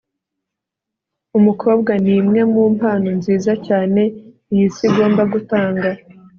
umukobwa ni imwe mu mpano nziza cyane iyi si igomba gutanga